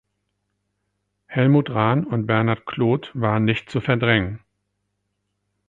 Helmut Rahn und Bernhard Klodt waren nicht zu verdrängen.